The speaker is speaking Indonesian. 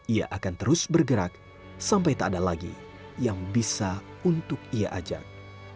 ia akan terus bergerak sampai tak ada lagi yang bisa untuk ia ajak